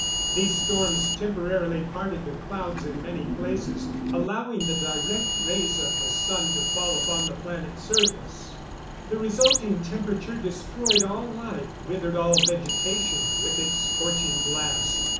These storms temporarily parted the clouds in many places, allowing the direct rays of the sun to fall upon the planet's surface. The resulting temperature destroyed all life, withered all vegetation, with its scorching blast.